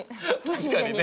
確かにね。